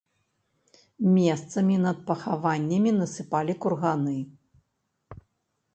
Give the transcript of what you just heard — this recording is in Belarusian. Месцамі над пахаваннямі насыпалі курганы.